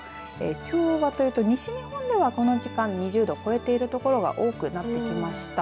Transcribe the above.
きょうはというと西日本ではこの時間２０度超えている所が多くなってきました。